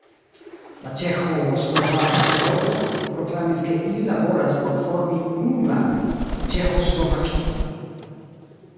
La Ĉeĥo-Slovaka akordo, proklamis ke ili laboras por formi unu landon: “Ĉeĥo-Slovakio”.